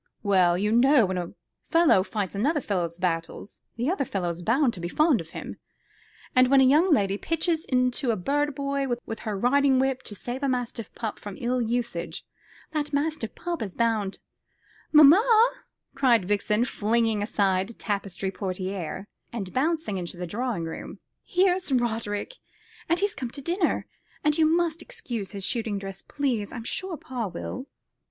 "Well, but you know when a fellow fights another fellow's battles, the other fellow's bound to be fond of him; and when a young lady pitches into a bird boy with her riding whip to save a mastiff pup from ill usage, that mastiff pup is bound " "Mamma," cried Vixen, flinging aside a tapestry portière, and bouncing into the drawing room, "here's Roderick, and he's come to dinner, and you must excuse his shooting dress, please. I'm sure pa will."